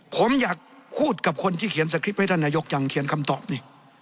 ผมอยากพูดกับคนที่เขียนสคริปต์ให้ท่านนายกจังเขียนคำตอบนี่